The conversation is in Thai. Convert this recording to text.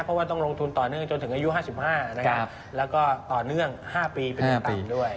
เพราะว่าต้องลงทุนต่อเนื่องจนถึงอายุ๕๕นะครับแล้วก็ต่อเนื่อง๕ปีเป็น๑ปีด้วย